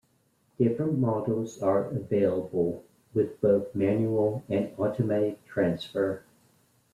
Different models are available, with both manual and automatic transfer.